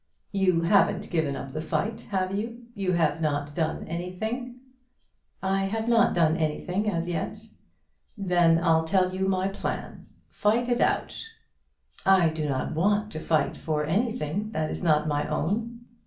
You haven't given up the fight, have you? You have not done anything?" "I have done nothing as yet." "Then I'll tell you my plan. Fight it out." "I do not want to fight for anything that is not my own."